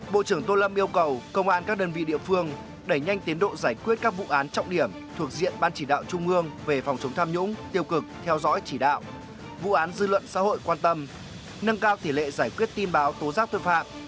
bộ trưởng tô lâm yêu cầu công an các đơn vị địa phương đẩy nhanh tiến độ giải quyết các vụ án trọng điểm thuộc diện ban chỉ đạo trung ương về phòng chống tham nhũng tiêu cực theo dõi chỉ đạo vụ án dư luận xã hội quan tâm nâng cao tỷ lệ giải quyết tin báo tố giác tội phạm